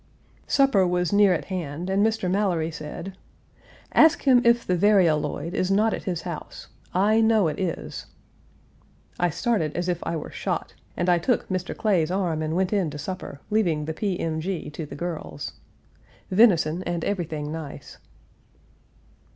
Supper was near at hand, and Mr. Mallory said: "Ask him if the varioloid is not at his house. I know it is." I started as if I were shot, and I took Mr. Clay's arm and went in to supper, leaving the P. M. G. to the girls. Venison and everything nice.